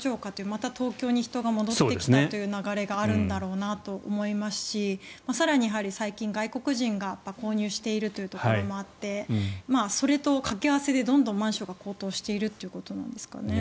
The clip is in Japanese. また東京に人が戻ってきたという流れがあるんだろうなと思いますし更に、最近、外国人が購入しているというところもあってそれと掛け合わせでどんどんマンションが高騰しているということなんでしょうかね。